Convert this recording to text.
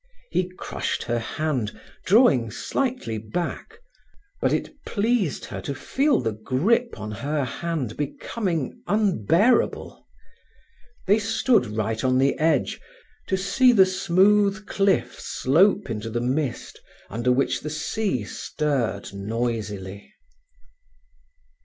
He crushed her hand, drawing slightly back. But it pleased her to feel the grip on her hand becoming unbearable. They stood right on the edge, to see the smooth cliff slope into the mist, under which the sea stirred noisily.